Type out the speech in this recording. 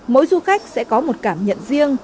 mỗi du khách sẽ có một cảm nhận riêng